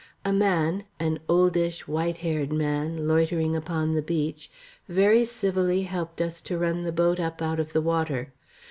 A man, an oldish, white haired man, loitering upon the beach very civilly helped us to run the boat up out of the water.